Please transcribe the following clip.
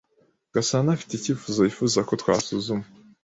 Gasanaafite icyifuzo yifuza ko twasuzuma.